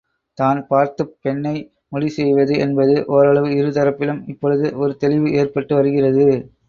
தான் பார்த்துப் பெண்ணை முடிவு செய்வது என்பது ஓரளவு இரு தரப்பிலும் இப்பொழுது ஒரு தெளிவு ஏற்பட்டு வருகிறது.